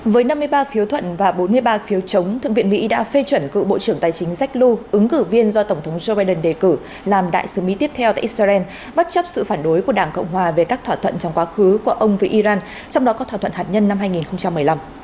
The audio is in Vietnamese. với năm mươi ba phiếu thuận và bốn mươi ba phiếu chống thượng viện mỹ đã phê chuẩn cựu bộ trưởng tài chính jack lew ứng cử viên do tổng thống joe biden đề cử làm đại sứ mỹ tiếp theo tại israel bất chấp sự phản đối của đảng cộng hòa về các thỏa thuận trong quá khứ của ông với iran trong đó có thỏa thuận hạt nhân năm hai nghìn một mươi năm